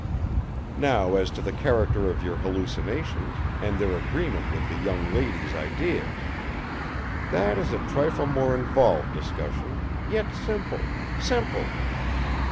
Now as to the character of your hallucinations, and their agreement with the young lady's ideas. That is a trifle more involved discussion, yet simple, simple!"